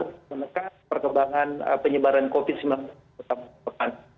untuk menekan perkembangan penyebaran covid sembilan belas di balikpapan